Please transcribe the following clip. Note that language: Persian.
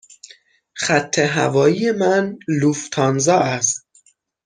خط هوایی من لوفتانزا است.